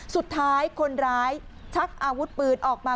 สุดท้ายคนร้ายชักอาวุธปืนออกมา